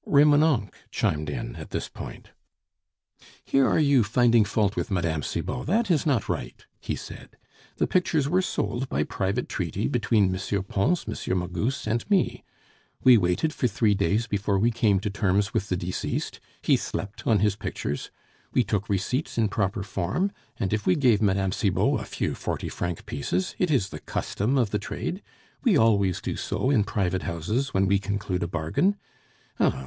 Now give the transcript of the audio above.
Remonencq chimed in at this point. "Here are you finding fault with Mme. Cibot; that is not right!" he said. "The pictures were sold by private treaty between M. Pons, M. Magus, and me. We waited for three days before we came to terms with the deceased; he slept on his pictures. We took receipts in proper form; and if we gave Madame Cibot a few forty franc pieces, it is the custom of the trade we always do so in private houses when we conclude a bargain. Ah!